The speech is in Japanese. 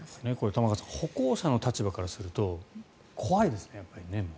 玉川さん歩行者の立場からすると怖いですね、やっぱり。